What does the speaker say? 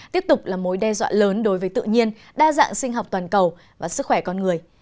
tiếp tục là mối đe dọa lớn đối với tự nhiên đa dạng sinh học toàn cầu và sức khỏe con người